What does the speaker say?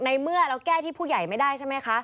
ในเมื่อเราแก้ที่ผู้ใหญ่ไม่ได้ใช่ไหมคะ